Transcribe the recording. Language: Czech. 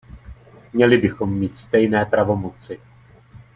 Měli bychom mít stejné pravomoci.